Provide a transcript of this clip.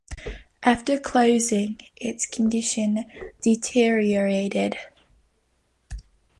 After closing, its condition deteriorated.